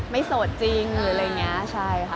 โสดจริงหรืออะไรอย่างนี้ใช่ค่ะ